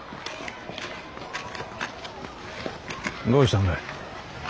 どうしたんだ。